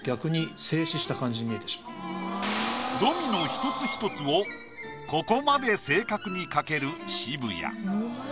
ドミノ一つ一つをここまで正確に描ける渋谷。